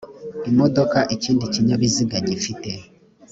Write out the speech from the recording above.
imodoka ikindi kinyabiziga gifite